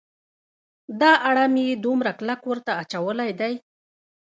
دا اړم یې دومره کلک ورته اچولی دی.